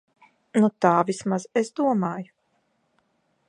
Nu tā vismaz es domāju.